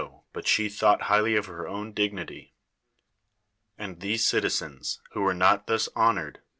but she tlionorht hitrhly of her own dip nity. And these citizens, who were not thus ho!iored.